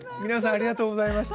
ありがとうございます。